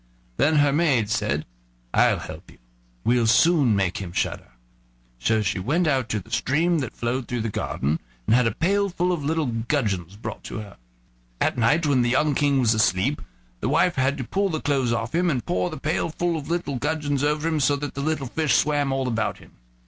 Then her maid said: "I'll help you; we'll soon make him shudder." So she went out to the stream that flowed through the garden, and had a pail full of little gudgeons brought to her. At night, when the young King was asleep, his wife had to pull the clothes off him, and pour the pail full of little gudgeons over him, so that the little fish swam all about him.